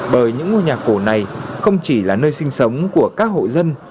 bởi những ngôi nhà cổ này không chỉ là nơi sinh sống của các hộ dân